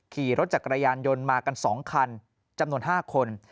ขี่รถจักรยานยนต์มากัน๒คันจำนวน๕คน